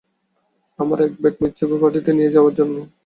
আমায় এক bat mitzvah পার্টিতে নিয়ে যাওয়ার জন্য।